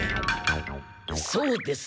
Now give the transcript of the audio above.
そうです。